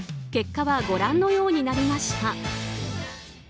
結果はご覧のようになりました。